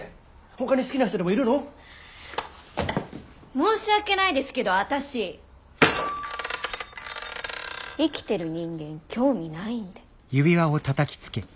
申し訳ないですけど私生きてる人間に興味ないんで。